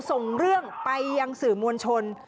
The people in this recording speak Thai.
ส่งเรื่องไปยังสื่อมวลชน